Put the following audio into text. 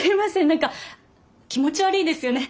何か気持ち悪いですよね。